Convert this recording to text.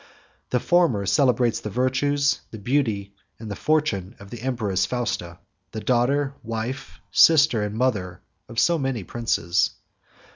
The former celebrates the virtues, the beauty, and the fortune of the empress Fausta, the daughter, wife, sister, and mother of so many princes.